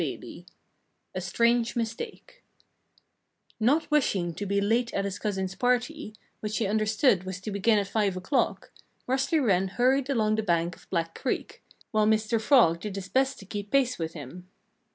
XXIII A STRANGE MISTAKE Not wishing to be late at his cousin's party, which he understood was to begin at five o'clock, Rusty Wren hurried along the bank of Black Creek, while Mr. Frog did his best to keep pace with him.